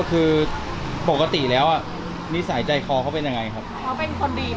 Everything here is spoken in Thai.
คือปกติแล้วอ่ะนิสัยใจคอเขาเป็นยังไงครับเขาเป็นคนดี